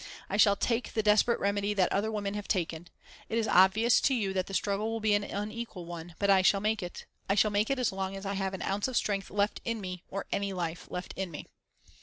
_ I shall take the desperate remedy that other women have taken. It is obvious to you that the struggle will be an unequal one, but I shall make it I shall make it as long as I have an ounce of strength left in me, or any life left in me.